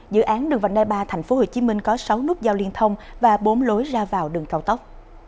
dự án đường vành đai ba tp hcm có sáu nút giao liên thông và bốn lối ra vào đường cao tốc